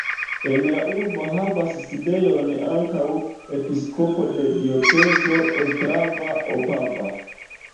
En la urbo havas sidejon ankaŭ episkopo de diocezo ostrava-opava.